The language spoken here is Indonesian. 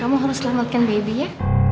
kamu harus selamatkan baby ya